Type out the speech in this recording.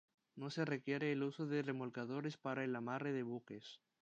No se requiere el uso de remolcadores para el amarre de buques.